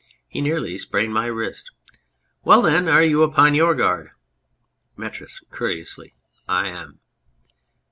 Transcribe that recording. He nearly sprained my wrist. ... Well, then, are you upon your guard ? METRIS (courteously). I am.